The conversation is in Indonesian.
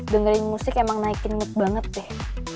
dengerin musik emang naikin mood banget deh